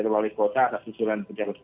wali kota atas usulan